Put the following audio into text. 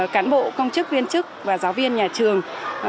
cán bộ công chức viên chức và giáo viên nhà trường